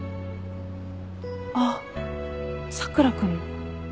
あっ佐倉君の？